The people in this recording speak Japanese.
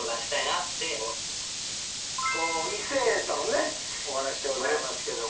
異性とのお話でございますけども。